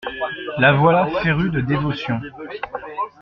La voilà férue de dévotion.